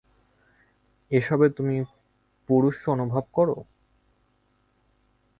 এসবে তুমি পৌরুষ অনুভব কর।